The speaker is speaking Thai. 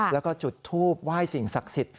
แล้วก็จุดทูบไหว้สิ่งศักดิ์สิทธิ